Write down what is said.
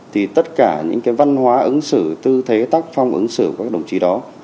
thì tất cả những cái văn hóa ứng xử tư thế tác phong ứng xử của các đồng chí đó